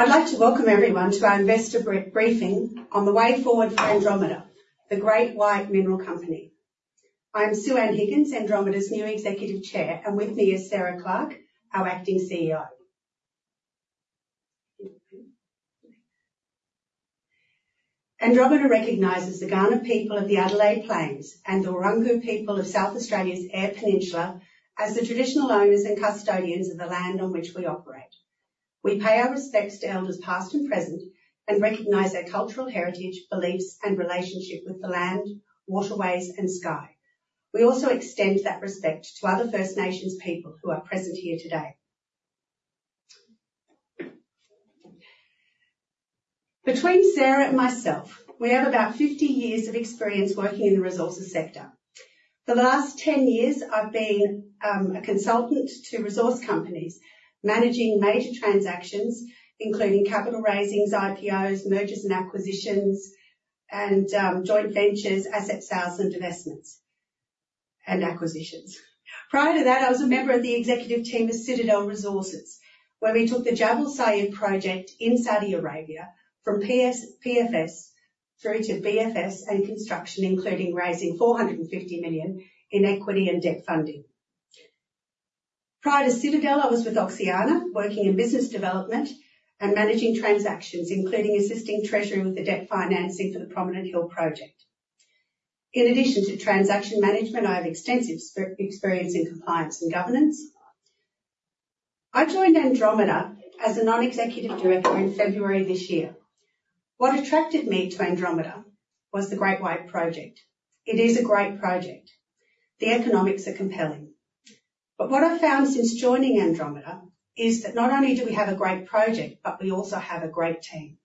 I'd like to welcome everyone to our investor briefing on the way forward for Andromeda, the Great White Mineral Company. I'm Sue-Ann Higgins, Andromeda's new Executive Chair, and with me is Sarah Clarke, our acting CEO. Andromeda recognizes the Kaurna people of the Adelaide Plains and the Wirangu people of South Australia's Eyre Peninsula as the traditional owners and custodians of the land on which we operate. We pay our respects to elders, past and present, and recognize their cultural heritage, beliefs, and relationship with the land, waterways, and sky. We also extend that respect to other First Nations people who are present here today. Between Sarah and myself, we have about fifty years of experience working in the resources sector. For the last ten years, I've been a consultant to resource companies managing major transactions, including capital raisings, IPOs, mergers and acquisitions, and joint ventures, asset sales and divestments, and acquisitions. Prior to that, I was a member of the executive team of Citadel Resources, where we took the Jabal Sayid project in Saudi Arabia from PFS through to BFS and construction, including raising 450 million in equity and debt funding. Prior to Citadel, I was with Oxiana, working in business development and managing transactions, including assisting treasury with the debt financing for the Prominent Hill project. In addition to transaction management, I have extensive experience in compliance and governance. I joined Andromeda as a non-executive director in February this year. What attracted me to Andromeda was the Great White Project. It is a great project. The economics are compelling. But what I've found since joining Andromeda is that not only do we have a great project, but we also have a great team.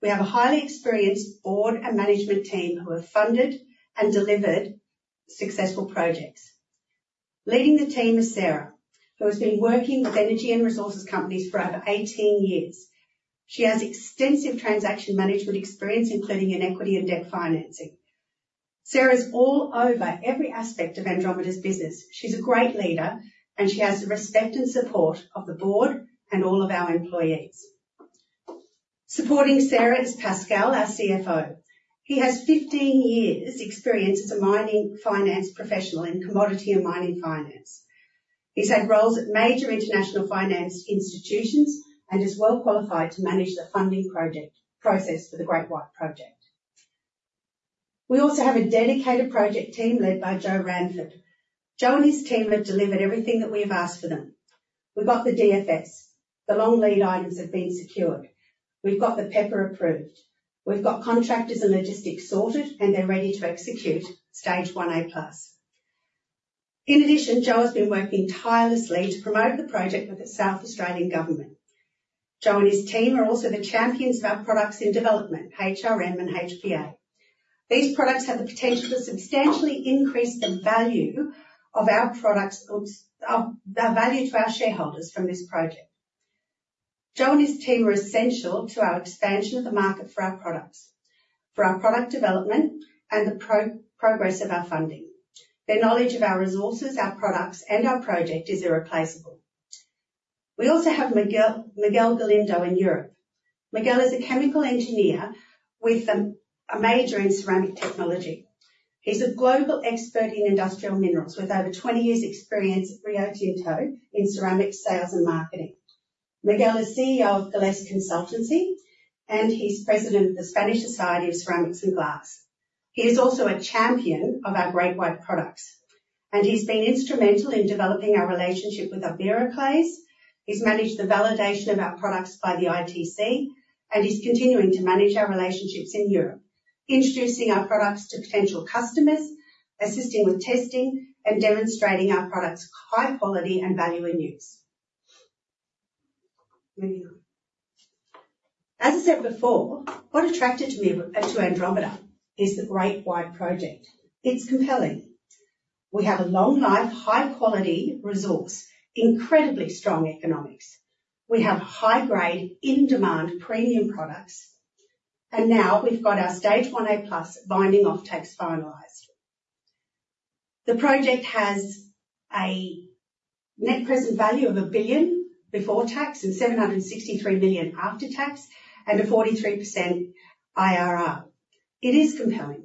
We have a highly experienced board and management team who have funded and delivered successful projects. Leading the team is Sarah, who has been working with energy and resources companies for over eighteen years. She has extensive transaction management experience, including in equity and debt financing. Sarah's all over every aspect of Andromeda's business. She's a great leader, and she has the respect and support of the board and all of our employees. Supporting Sarah is Pascal, our CFO. He has fifteen years' experience as a mining finance professional in commodity and mining finance. He's had roles at major international finance institutions and is well qualified to manage the funding process for the Great White Project. We also have a dedicated project team led by Joe Ranford. Joe and his team have delivered everything that we have asked for them. We've got the DFS. The long lead items have been secured. We've got the PEPR approved. We've got contractors and logistics sorted, and they're ready to execute Stage 1A+. In addition, Joe has been working tirelessly to promote the project with the South Australian government. Joe and his team are also the champions of our products in development, HRM and HPA. These products have the potential to substantially increase the value of our products, oops, the value to our shareholders from this project. Joe and his team are essential to our expansion of the market for our products, for our product development, and the progress of our funding. Their knowledge of our resources, our products, and our project is irreplaceable. We also have Miguel, Miguel Galindo in Europe. Miguel is a chemical engineer with a major in ceramic technology. He's a global expert in industrial minerals, with over twenty years' experience at Rio Tinto in ceramics sales and marketing. Miguel is CEO of Galesk Consultancy, and he's President of the Spanish Society of Ceramics and Glass. He is also a champion of our Great White products, and he's been instrumental in developing our relationship with Iberoclays. He's managed the validation of our products by the ITC and is continuing to manage our relationships in Europe, introducing our products to potential customers, assisting with testing, and demonstrating our products' high quality and value in use. As I said before, what attracted me to Andromeda is the Great White Project. It's compelling. We have a long-life, high-quality resource, incredibly strong economics. We have high-grade, in-demand, premium products, and now we've got our Stage 1A+ binding offtakes finalized. The project has a net present value of 1 billion before tax and 763 million after tax and a 43% IRR. It is compelling.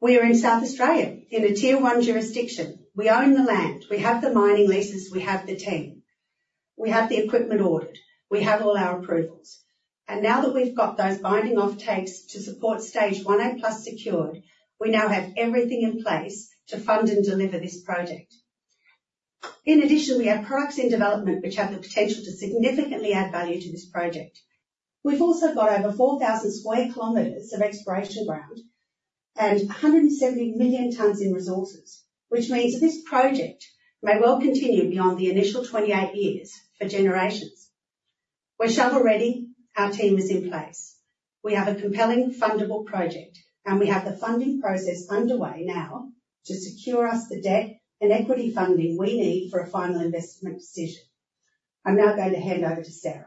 We are in South Australia in a Tier One jurisdiction. We own the land, we have the mining leases, we have the team, we have the equipment ordered, we have all our approvals, and now that we've got those binding offtakes to support Stage 1A+ secured, we now have everything in place to fund and deliver this project. In addition, we have products in development which have the potential to significantly add value to this project. We've also got over 4,000 square kilometers of exploration ground and 170 million tonnes in resources, which means that this project may well continue beyond the initial 28 years for generations. We're shovel-ready. Our team is in place. We have a compelling, fundable project, and we have the funding process underway now to secure us the debt and equity funding we need for a final investment decision. I'm now going to hand over to Sarah.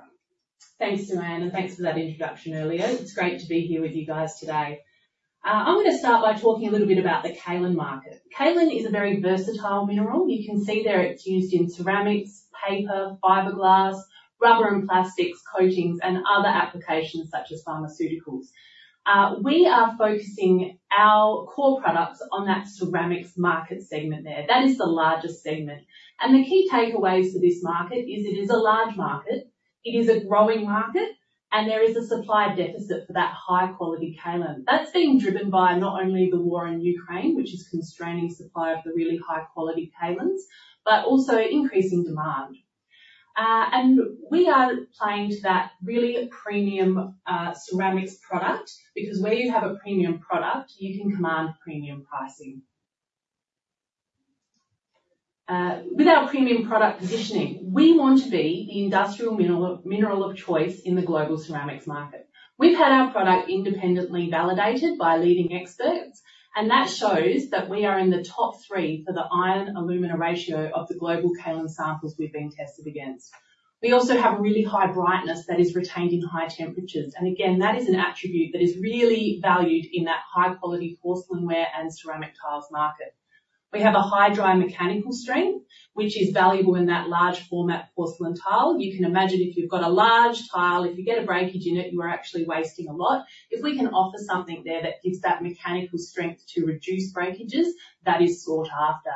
Thanks, Sue-Ann, and thanks for that introduction earlier. It's great to be here with you guys today. I'm going to start by talking a little bit about the kaolin market. Kaolin is a very versatile mineral. You can see there it's used in ceramics, paper, fiberglass, rubber and plastics, coatings, and other applications such as pharmaceuticals. We are focusing our core products on that ceramics market segment there. That is the largest segment, and the key takeaways for this market is it is a large market, it is a growing market, and there is a supply deficit for that high-quality kaolin. That's being driven by not only the war in Ukraine, which is constraining supply of the really high-quality kaolins, but also increasing demand. We are playing to that really premium ceramics product, because where you have a premium product, you can command premium pricing. With our premium product positioning, we want to be the industrial mineral of choice in the global ceramics market. We've had our product independently validated by leading experts, and that shows that we are in the top three for the iron/alumina ratio of the global kaolin samples we've been tested against. We also have a really high brightness that is retained in high temperatures, and again, that is an attribute that is really valued in that high-quality porcelain ware and ceramic tiles market. We have a high dry mechanical strength, which is valuable in that large format, porcelain tile. You can imagine if you've got a large tile, if you get a breakage in it, you are actually wasting a lot. If we can offer something there that gives that mechanical strength to reduce breakages, that is sought after.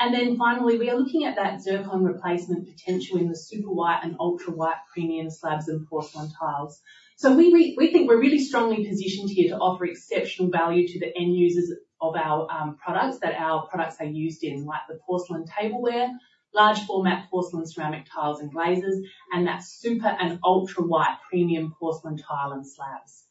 And then finally, we are looking at that zircon replacement potential in the super white and ultra white premium slabs and porcelain tiles. So we think we're really strongly positioned here to offer exceptional value to the end users of our products, that our products are used in, like the porcelain tableware, large format porcelain, ceramic tiles and glazes, and that super and ultra white premium porcelain tile and slabs.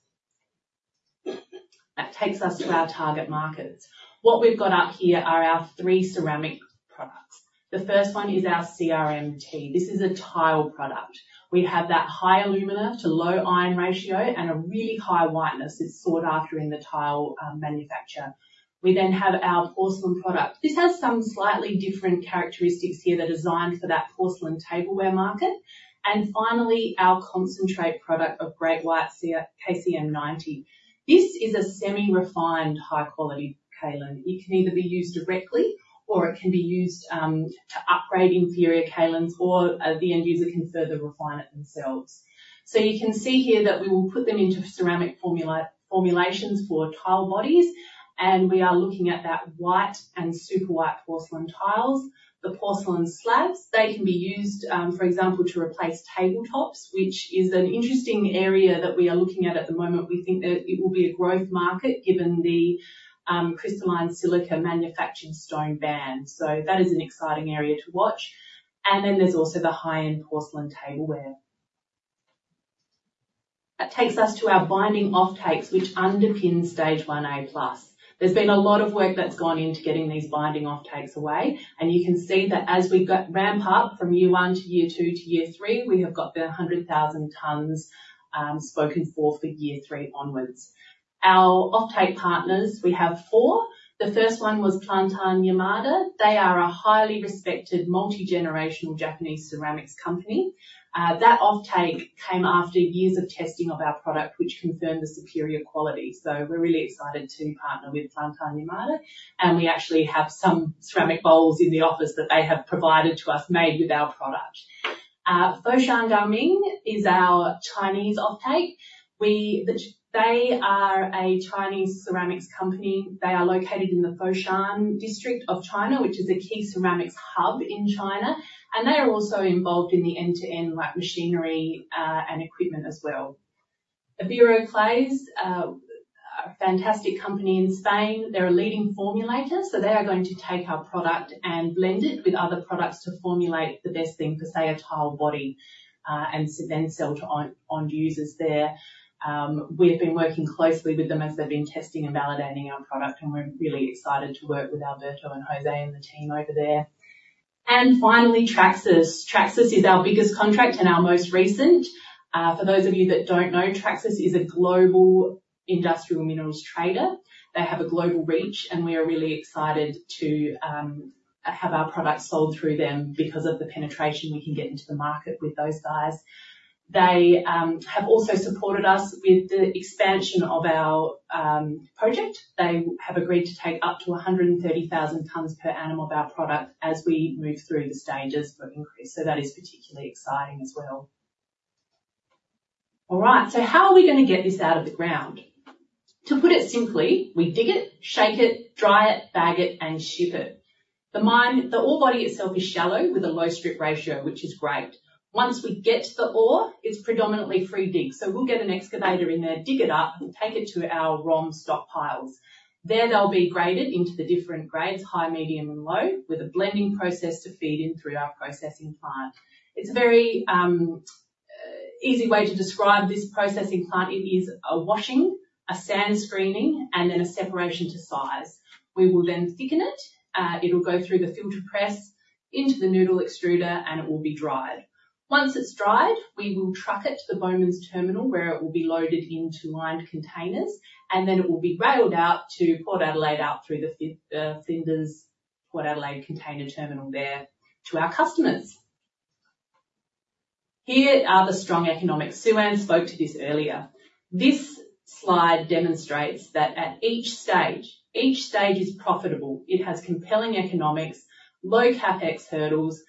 That takes us to our target markets. What we've got up here are our three ceramic products. The first one is our CRMT. This is a tile product. We have that high alumina to low iron ratio and a really high whiteness that's sought after in the tile manufacture. We then have our porcelain product. This has some slightly different characteristics here that are designed for that porcelain tableware market. And finally, our concentrate product of Great White KCM 90. This is a semi-refined, high-quality kaolin. It can either be used directly or it can be used to upgrade inferior kaolins, or the end user can further refine it themselves. So you can see here that we will put them into ceramic formulations for tile bodies, and we are looking at the white and super white porcelain tiles. The porcelain slabs, they can be used for example, to replace tabletops, which is an interesting area that we are looking at at the moment. We think that it will be a growth market given the crystalline silica manufactured stone ban. So that is an exciting area to watch. And then there's also the high-end porcelain tableware. That takes us to our binding offtakes, which underpin Stage 1A+. There's been a lot of work that's gone into getting these binding offtakes away, and you can see that as we go ramp up from year one to year two to year three, we have got the hundred thousand tons spoken for for year three onwards. Our offtake partners, we have four. The first one was Plantan Yamada. They are a highly respected, multi-generational Japanese ceramics company. That offtake came after years of testing of our product, which confirmed the superior quality. So we're really excited to partner with Plantan Yamada, and we actually have some ceramic bowls in the office that they have provided to us, made with our product. Foshan Gaoming is our Chinese offtake. They are a Chinese ceramics company. They are located in the Foshan district of China, which is a key ceramics hub in China, and they are also involved in the end-to-end, like, machinery, and equipment as well. Iberoclays, a fantastic company in Spain. They're a leading formulator, so they are going to take our product and blend it with other products to formulate the best thing for, say, a tile body, and then sell on to users there. We've been working closely with them as they've been testing and validating our product, and we're really excited to work with Alberto and Jose and the team over there. And finally, Traxys. Traxys is our biggest contract and our most recent. For those of you that don't know, Traxys is a global industrial minerals trader. They have a global reach, and we are really excited to have our products sold through them because of the penetration we can get into the market with those guys. They have also supported us with the expansion of our project. They have agreed to take up to 130,000 tons per annum of our product as we move through the stages of increase. So that is particularly exciting as well. All right, so how are we gonna get this out of the ground? To put it simply, we dig it, shake it, dry it, bag it, and ship it. The ore body itself is shallow with a low strip ratio, which is great. Once we get to the ore, it's predominantly free dig, so we'll get an excavator in there, dig it up, and take it to our ROM stockpiles. There, they'll be graded into the different grades: high, medium, and low, with a blending process to feed in through our processing plant. It's a very easy way to describe this processing plant. It is a washing, a sand screening, and then a separation to size. We will then thicken it. It'll go through the filter press into the noodle extruder, and it will be dried. Once it's dried, we will truck it to the Bowmans Terminal, where it will be loaded into lined containers, and then it will be railed out to Port Adelaide, out through the Flinders Adelaide Container Terminal there to our customers. Here are the strong economics. Sue-Ann spoke to this earlier. This slide demonstrates that at each stage, each stage is profitable. It has compelling economics, low CapEx hurdles,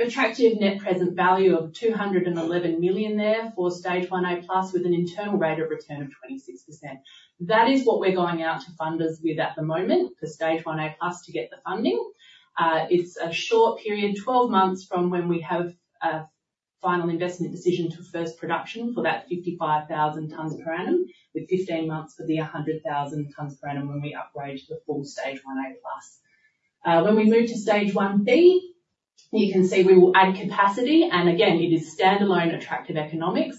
attractive net present value of 211 million there for Stage 1A+, with an internal rate of return of 26%. That is what we're going out to funders with at the moment, for Stage 1A+, to get the funding. It's a short period, 12 months from when we have a final investment decision to first production for that 55,000 tons per annum, with 15 months for the 100,000 tons per annum when we upgrade to the full Stage 1A+. When we move to Stage 1B, you can see we will add capacity, and again, it is standalone attractive economics.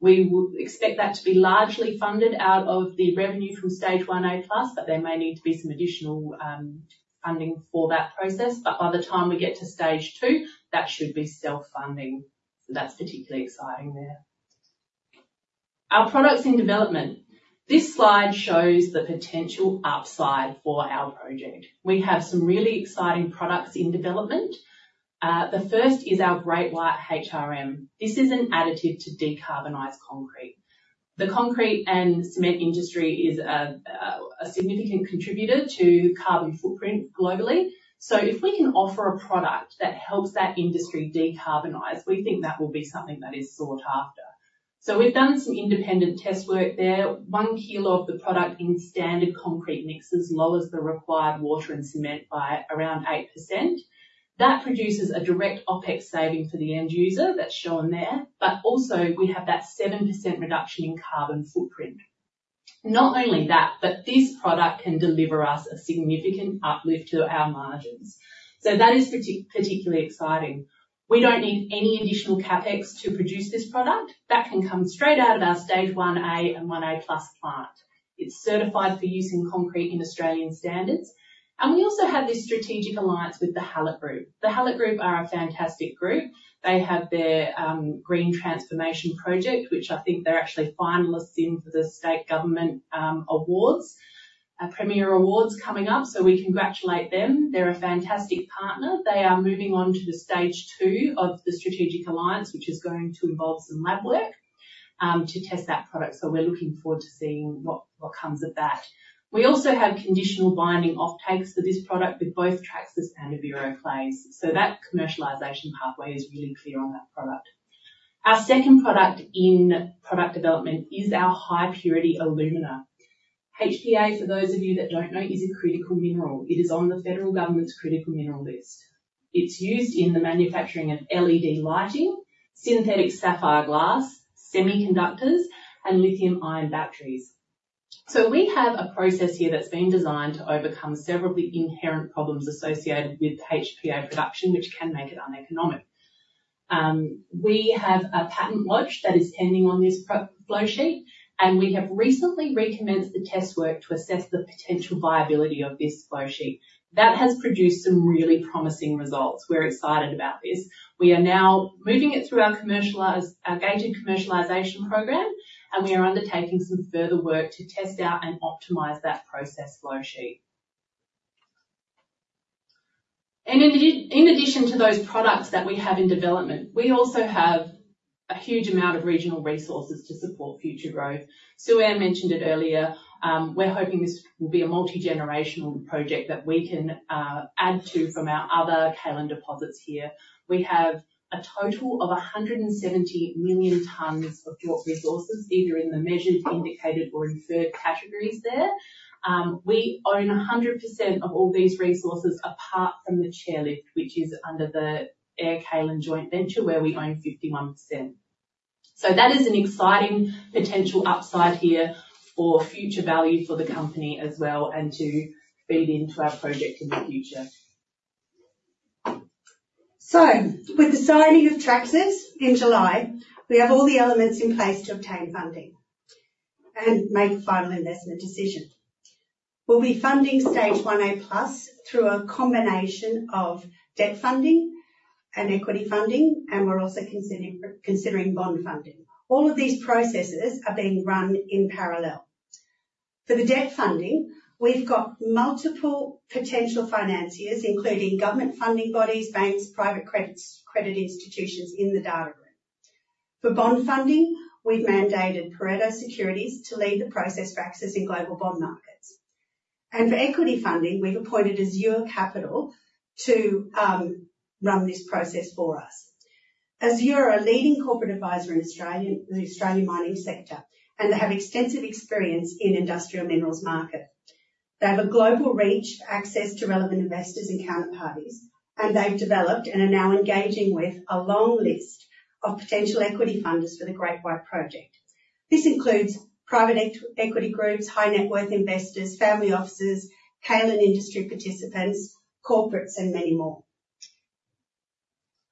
We would expect that to be largely funded out of the revenue from Stage 1A+, but there may need to be some additional funding for that process. But by the time we get to Stage 2, that should be self-funding. So that's particularly exciting there. Our products in development. This slide shows the potential upside for our project. We have some really exciting products in development. The first is our Great White HRM. This is an additive to decarbonize concrete. The concrete and cement industry is a significant contributor to carbon footprint globally. So if we can offer a product that helps that industry decarbonize, we think that will be something that is sought after. So we've done some independent test work there. One kilo of the product in standard concrete mixes lowers the required water and cement by around 8%. That produces a direct OpEx saving for the end user, that's shown there, but also we have that 7% reduction in carbon footprint. Not only that, but this product can deliver us a significant uplift to our margins. So that is particularly exciting. We don't need any additional CapEx to produce this product. That can come straight out of our Stage 1A and 1A-plus plant. It's certified for use in concrete in Australian standards, and we also have this strategic alliance with the Hallett Group. The Hallett Group are a fantastic group. They have their green transformation project, which I think they're actually finalists in for the state government awards, Premier's Awards coming up, so we congratulate them. They're a fantastic partner. They are moving on to the stage two of the strategic alliance, which is going to involve some lab work to test that product. So we're looking forward to seeing what comes of that. We also have conditional binding offtakes for this product with both Traxys and Nyrstar. So that commercialization pathway is really clear on that product. Our second product in product development is our high-purity alumina. HPA, for those of you that don't know, is a critical mineral. It is on the federal government's critical mineral list. It's used in the manufacturing of LED lighting, synthetic sapphire glass, semiconductors, and lithium-ion batteries. So we have a process here that's been designed to overcome several of the inherent problems associated with HPA production, which can make it uneconomic. We have a patent watch that is pending on this process flowsheet, and we have recently recommenced the test work to assess the potential viability of this flowsheet. That has produced some really promising results. We're excited about this. We are now moving it through our gated commercialization program, and we are undertaking some further work to test out and optimize that process flowsheet. In addition to those products that we have in development, we also have a huge amount of regional resources to support future growth. Sue-Ann mentioned it earlier. We're hoping this will be a multigenerational project that we can add to from our other kaolin deposits here. We have a total of 170 million tons of JORC resources, either in the measured, indicated, or inferred categories there. We own 100% of all these resources, apart from the Chairlift, which is under the Eyre Kaolin Joint Venture, where we own 51%. So that is an exciting potential upside here for future value for the company as well and to feed into our project in the future. With the signing of Traxys in July, we have all the elements in place to obtain funding and make a final investment decision. We'll be funding Stage 1A+ through a combination of debt funding and equity funding, and we're also considering bond funding. All of these processes are being run in parallel. For the debt funding, we've got multiple potential financiers, including government funding bodies, banks, private credits, credit institutions in the data room. For bond funding, we've mandated Pareto Securities to lead the process for accessing global bond markets. For equity funding, we've appointed Azure Capital to run this process for us. Azure are a leading corporate advisor in Australia, in the Australian mining sector, and they have extensive experience in industrial minerals market. They have a global reach for access to relevant investors and counterparties, and they've developed and are now engaging with a long list of potential equity funders for the Great White Project. This includes private equity groups, high-net-worth investors, family offices, kaolin industry participants, corporates, and many more.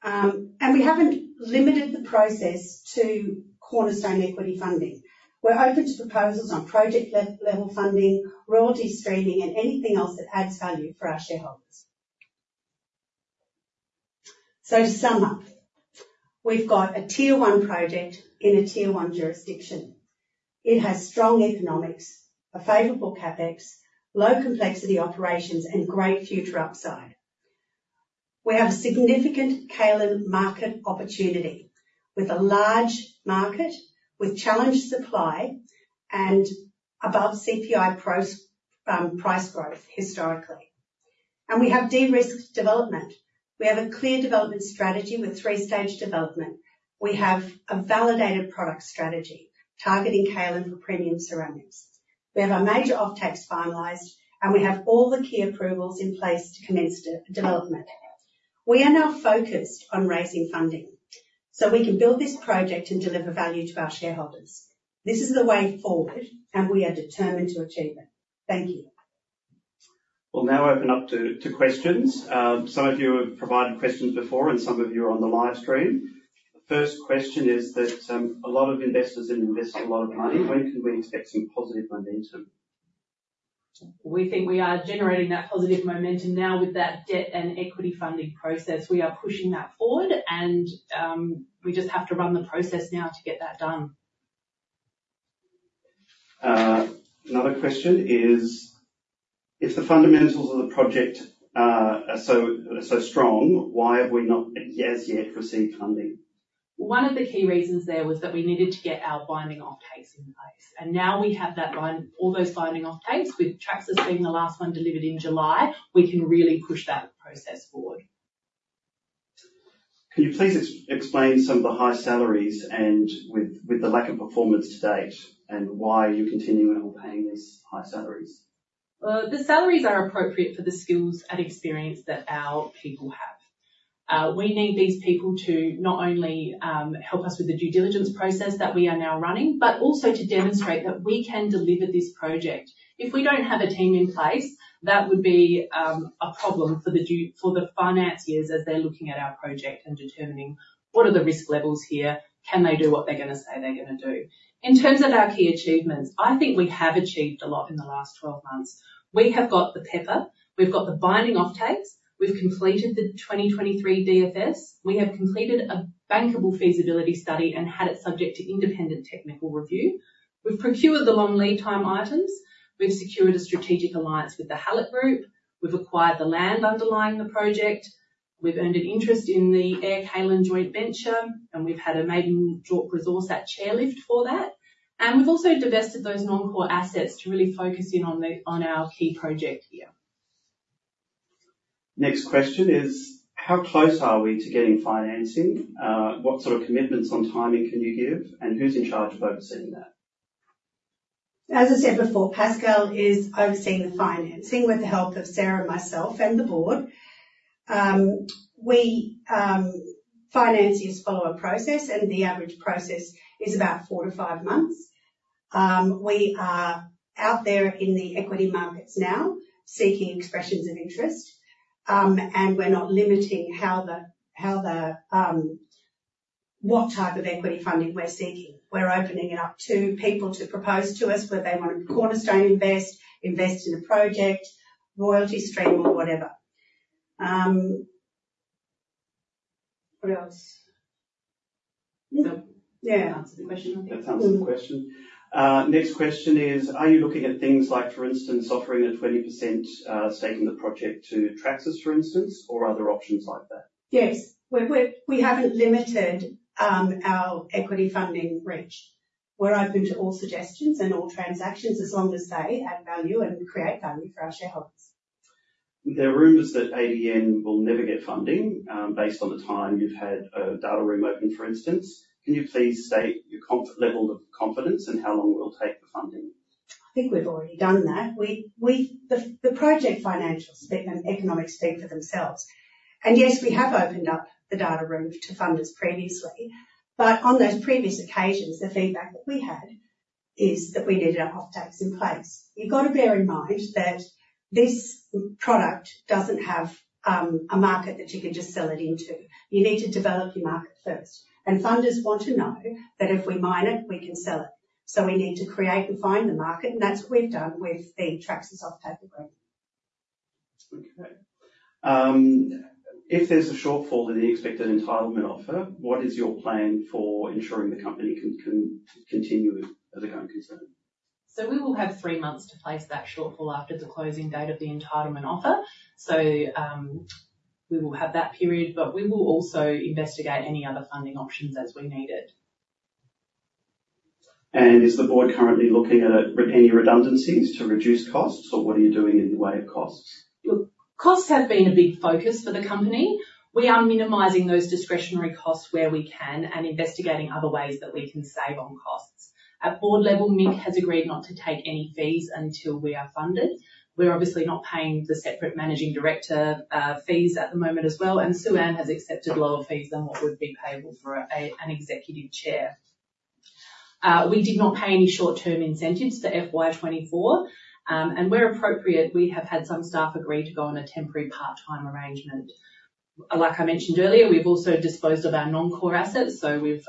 And we haven't limited the process to cornerstone equity funding. We're open to proposals on project level funding, royalty streaming, and anything else that adds value for our shareholders. So to sum up, we've got a Tier One project in a Tier One jurisdiction. It has strong economics, a favorable CapEx, low complexity operations, and great future upside. We have a significant kaolin market opportunity with a large market, with challenged supply and above CPI price growth historically. And we have de-risked development. We have a clear development strategy with three-stage development. We have a validated product strategy targeting kaolin for premium ceramics. We have our major offtakes finalized, and we have all the key approvals in place to commence development. We are now focused on raising funding so we can build this project and deliver value to our shareholders. This is the way forward, and we are determined to achieve it. Thank you. We'll now open up to questions. Some of you have provided questions before, and some of you are on the live stream. The first question is that a lot of investors have invested a lot of money. When can we expect some positive momentum? We think we are generating that positive momentum now with that debt and equity funding process. We are pushing that forward, and, we just have to run the process now to get that done. Another question is: If the fundamentals of the project are so, so strong, why have we not as yet received funding? One of the key reasons there was that we needed to get our binding offtakes in place, and now we have all those binding offtakes, with Traxys being the last one delivered in July, we can really push that process forward. Can you please explain some of the high salaries and with the lack of performance to date and why you're continuing on paying these high salaries? The salaries are appropriate for the skills and experience that our people have. We need these people to not only help us with the due diligence process that we are now running, but also to demonstrate that we can deliver this project. If we don't have a team in place, that would be a problem for the financiers as they're looking at our project and determining what are the risk levels here? Can they do what they're gonna say they're gonna do? In terms of our key achievements, I think we have achieved a lot in the last twelve months. We have got the PEPR, we've got the binding offtakes, we've completed the 2023 DFS. We have completed a bankable feasibility study and had it subject to independent technical review. We've procured the long lead time items. We've secured a strategic alliance with the Hallett Group. We've acquired the land underlying the project. We've earned an interest in the Eyre Kaolin Joint Venture, and we've had a maiden JORC resource at Chairlift for that. And we've also divested those non-core assets to really focus in on the- on our key project here. Next question is: How close are we to getting financing? What sort of commitments on timing can you give, and who's in charge of overseeing that? As I said before, Pascal is overseeing the financing with the help of Sarah and myself and the board. We financiers follow a process, and the average process is about four to five months. We are out there in the equity markets now seeking expressions of interest, and we're not limiting what type of equity funding we're seeking. We're opening it up to people to propose to us whether they want to cornerstone invest, invest in a project, royalty stream, or whatever. What else? Yeah. That answered the question, I think. That's answered the question. Next question is: Are you looking at things like, for instance, offering a 20% stake in the project to Traxys, for instance, or other options like that? Yes. We haven't limited our equity funding reach. We're open to all suggestions and all transactions, as long as they add value and create value for our shareholders. There are rumors that ADN will never get funding, based on the time you've had a data room open, for instance. Can you please state your confidence level and how long it will take for funding? I think we've already done that. The project financials speak and economics speak for themselves. And yes, we have opened up the data room to funders previously, but on those previous occasions, the feedback that we had is that we needed our offtakes in place. You've got to bear in mind that this product doesn't have a market that you can just sell it into. You need to develop your market first, and funders want to know that if we mine it, we can sell it. So we need to create and find the market, and that's what we've done with the Traxys offtake agreement. Okay. If there's a shortfall in the expected entitlement offer, what is your plan for ensuring the company can continue as a going concern? So we will have three months to place that shortfall after the closing date of the entitlement offer. So, we will have that period, but we will also investigate any other funding options as we need it. And is the board currently looking at any redundancies to reduce costs, or what are you doing in the way of costs? Look, costs have been a big focus for the company. We are minimizing those discretionary costs where we can and investigating other ways that we can save on costs. At board level, Mick has agreed not to take any fees until we are funded. We're obviously not paying the separate managing director fees at the moment as well, and Sue-Ann has accepted lower fees than what would be payable for an executive chair. We did not pay any short-term incentives for FY 2024. And where appropriate, we have had some staff agree to go on a temporary part-time arrangement. Like I mentioned earlier, we've also disposed of our non-core assets, so we've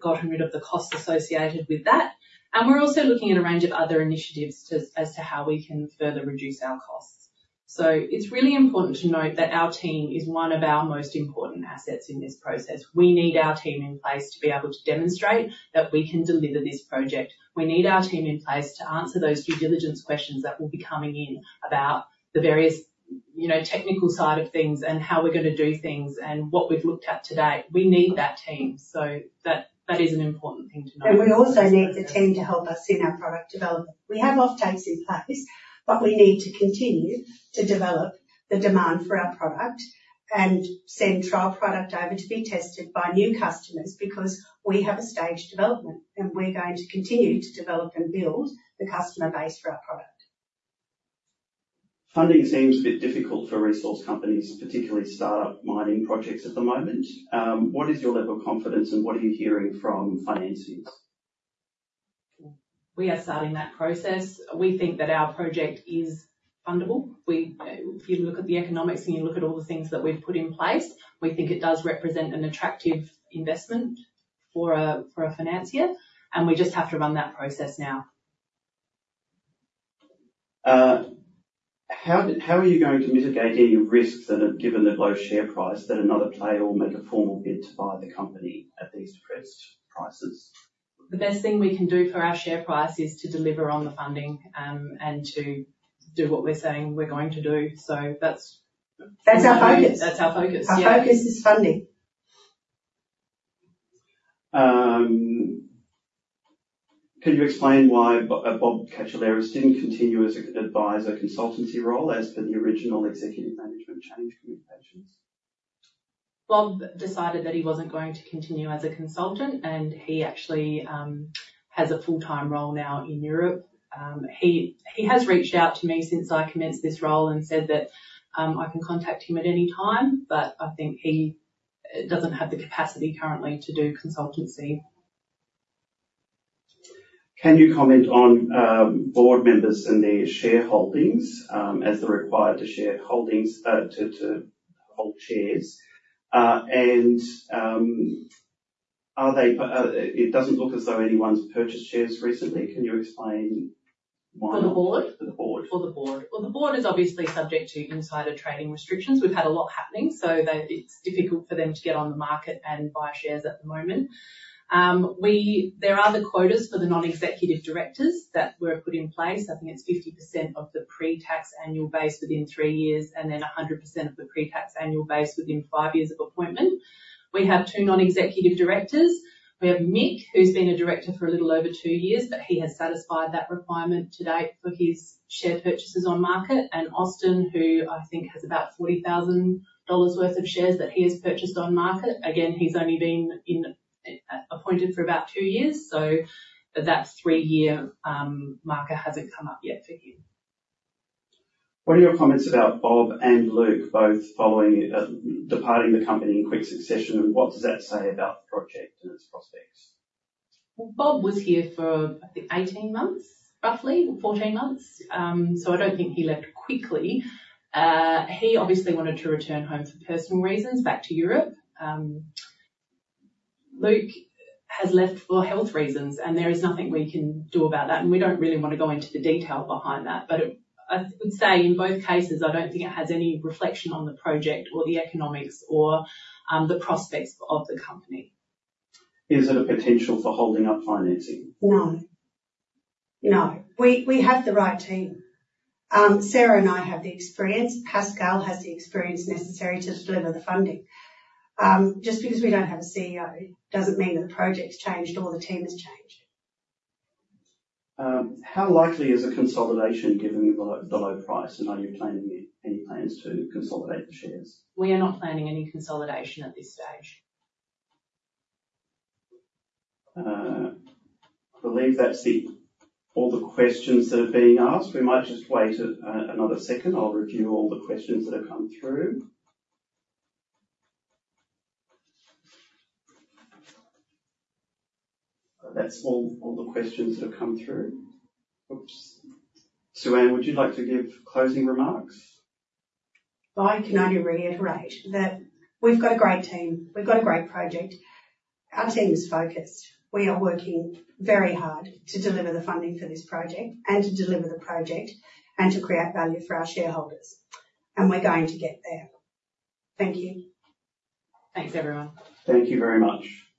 gotten rid of the costs associated with that, and we're also looking at a range of other initiatives to how we can further reduce our costs. It's really important to note that our team is one of our most important assets in this process. We need our team in place to be able to demonstrate that we can deliver this project. We need our team in place to answer those due diligence questions that will be coming in about the various, you know, technical side of things and how we're gonna do things and what we've looked at today. We need that team, so that, that is an important thing to note. And we also need the team to help us in our product development. We have offtakes in place, but we need to continue to develop the demand for our product and send trial product over to be tested by new customers because we have a stage development, and we're going to continue to develop and build the customer base for our product. Funding seems a bit difficult for resource companies, particularly start-up mining projects at the moment. What is your level of confidence, and what are you hearing from financiers? We are starting that process. We think that our project is fundable. If you look at the economics and you look at all the things that we've put in place, we think it does represent an attractive investment for a, for a financier, and we just have to run that process now. How are you going to mitigate any risks that have, given the low share price, that another player will make a formal bid to buy the company at these depressed prices? The best thing we can do for our share price is to deliver on the funding, and to do what we're saying we're going to do. So that's- That's our focus. That's our focus. Our focus is funding. Can you explain why Bob Katsiouleris didn't continue as a advisor consultancy role as per the original executive management change communications? Bob decided that he wasn't going to continue as a consultant, and he actually has a full-time role now in Europe. He has reached out to me since I commenced this role and said that I can contact him at any time, but I think he doesn't have the capacity currently to do consultancy. Can you comment on board members and their shareholdings, as they're required to shareholdings to hold shares, and it doesn't look as though anyone's purchased shares recently. Can you explain why? For the board? For the board. For the board. Well, the board is obviously subject to insider trading restrictions. We've had a lot happening, so they. It's difficult for them to get on the market and buy shares at the moment. There are the quotas for the non-executive directors that were put in place. I think it's 50% of the pre-tax annual base within three years, and then 100% of the pre-tax annual base within five years of appointment. We have two non-executive directors. We have Mick, who's been a director for a little over two years, but he has satisfied that requirement to date for his share purchases on market, and Austen, who I think has about 40,000 dollars worth of shares that he has purchased on market. Again, he's only been appointed for about two years, so that three-year marker hasn't come up yet for him. What are your comments about Bob and Luke both following departing the company in quick succession, and what does that say about the project and its prospects? Bob was here for, I think, 18 months, roughly, or 14 months. I don't think he left quickly. He obviously wanted to return home for personal reasons back to Europe. Luke has left for health reasons, and there is nothing we can do about that, and we don't really want to go into the detail behind that. But I, I would say in both cases, I don't think it has any reflection on the project or the economics or, the prospects of the company. Is it a potential for holding up financing? No. We have the right team. Sarah and I have the experience. Pascal has the experience necessary to deliver the funding. Just because we don't have a CEO doesn't mean that the project's changed or the team has changed. How likely is a consolidation given the low price, and are you planning any plans to consolidate the shares? We are not planning any consolidation at this stage. I believe that's it, all the questions that are being asked. We might just wait another second. I'll review all the questions that have come through. That's all, all the questions that have come through. Oops. Sue-Ann, would you like to give closing remarks? I can only reiterate that we've got a great team. We've got a great project. Our team is focused. We are working very hard to deliver the funding for this project and to deliver the project and to create value for our shareholders, and we're going to get there. Thank you. Thanks, everyone. Thank you very much.